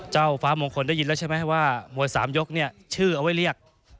ฟ้ามงคลได้ยินแล้วใช่ไหมว่ามวย๓ยกเนี่ยชื่อเอาไว้เรียก